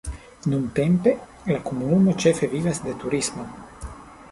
Nuntempe la komunumo ĉefe vivas de turismo.